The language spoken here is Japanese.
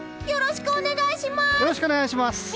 よろしくお願いします！